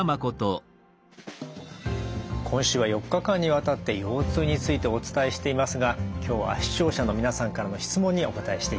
今週は４日間にわたって腰痛についてお伝えしていますが今日は視聴者の皆さんからの質問にお答えしていきます。